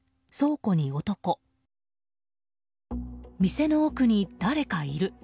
店の奥に誰かいる。